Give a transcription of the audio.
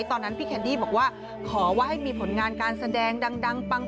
ตอนนั้นพี่แคนดี้บอกว่าขอว่าให้มีผลงานการแสดงดังปัง